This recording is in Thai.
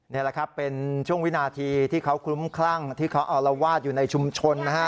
นี่แหละครับเป็นช่วงวินาทีที่เขาคลุ้มคลั่งที่เขาอารวาสอยู่ในชุมชนนะฮะ